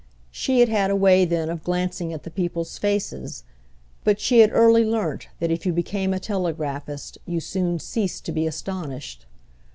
She had had a way then of glancing at the people's faces, but she had early learnt that if you became a telegraphist you soon ceased to be astonished.